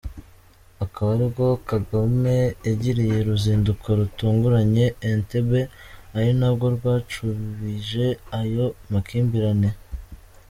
Akaba aribwo Kagame yagiriye uruzinduko rutunguranye Entebbe, ari narwo rwacubije ayo makimbirane.